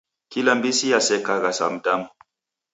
Kila mbisi yasekagha sa mdamu.